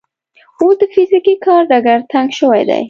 اوس د فزیکي کار ډګر تنګ شوی دی.